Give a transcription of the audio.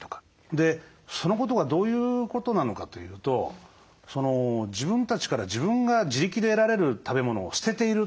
でそのことがどういうことなのかというと自分たちから自分が自力で得られる食べ物を捨てている。